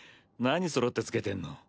何そろって着けてんの？